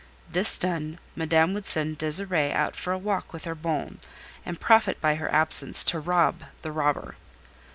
This done, Madame would send Désirée out for a walk with her bonne, and profit by her absence to rob the robber.